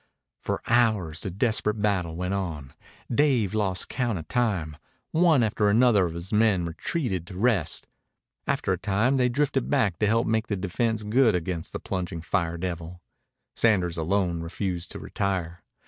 For hours the desperate battle went on. Dave lost count of time. One after another of his men retreated to rest. After a time they drifted back to help make the defense good against the plunging fire devil. Sanders alone refused to retire.